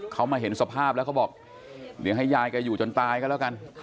เขามาเห็นสภาพแล้วเขาบอกเดี๋ยวให้ยายแกอยู่จนตายก็แล้วกัน